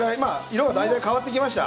色が大体変わってきました。